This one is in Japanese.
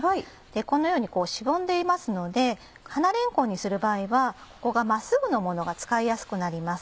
このようにしぼんでいますので花れんこんにする場合はここが真っすぐのものが使いやすくなります。